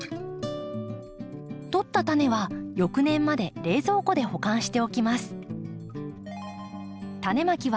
とった種は翌年まで冷蔵庫で保管しておきます。